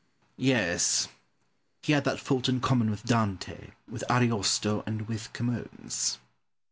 Pope. Yes; he had that fault in common with Dante, with Ariosto, and with Camoens.